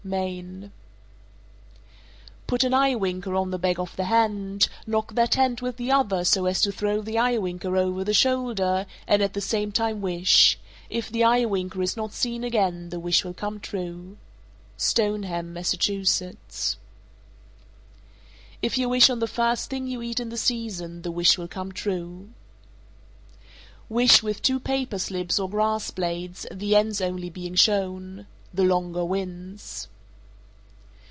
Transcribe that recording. Maine. 441. Put an eyewinker on the back of the hand, knock that hand with the other so as to throw the eyewinker over the shoulder, and at the same time wish. If the eyewinker is not seen again, the wish will come true. Stoneham, Mass. 442. If you wish on the first thing you eat in the season, the wish will come true. 443. Wish with two paper slips or grass blades, the ends only being shown. The longer wins.